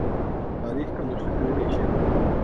تاریخ کا مشکل ترین ایشیا کپ